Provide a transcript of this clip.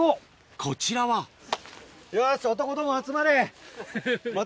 ・こちらはよし男ども集まれ！